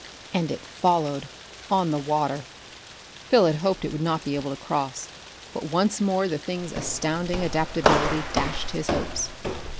And it followed on the water! Phil had hoped it would not be able to cross, but once more the thing's astounding adaptability dashed his hopes.